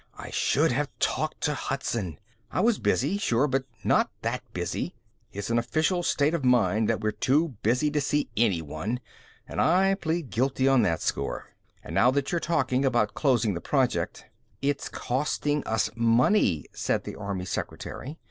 I should have talked to Hudson. I was busy, sure, but not that busy. It's an official state of mind that we're too busy to see anyone and I plead guilty on that score. And now that you're talking about closing the project " "It's costing us money," said the army secretary.